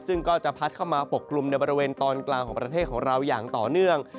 ซึ่งก็จะพัดเข้ามาปกกลุ่มในบริเวณตอนกลางของประเทศของเราอย่างต่อเนื่อง